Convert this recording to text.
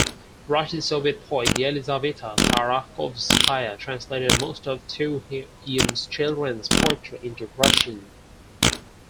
Russian Soviet poet Yelizaveta Tarakhovskaya translated most of Tuwim's children's poetry into Russian.